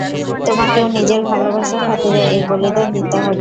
তোমাকেও নিজের ভালবাসার খাতিরে, এই বলিদান দিতে হবে।